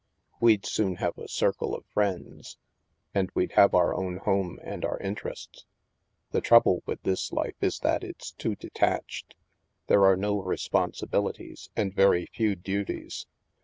" We'd soon have a circle of friends. And we'd have our own home and our interests. The trouble with this life is that it's too detached; there are no responsibilities and very few duties.